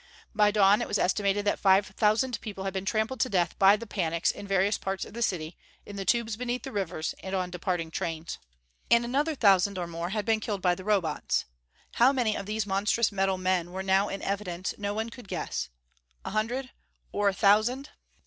By dawn it was estimated that five thousand people had been trampled to death by the panics in various parts of the city, in the tubes beneath the rivers and on departing trains. And another thousand or more had been killed by the Robots. How many of these monstrous metal men were now in evidence, no one could guess. A hundred or a thousand.